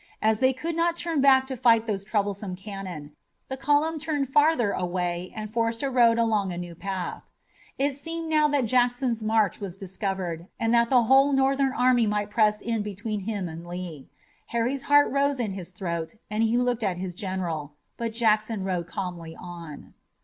As they could not turn back to fight those troublesome cannon, the column turned farther away and forced a road through a new path. It seemed now that Jackson's march was discovered and that the whole Northern army might press in between him and Lee. Harry's heart rose in his throat and he looked at his general. But Jackson rode calmly on.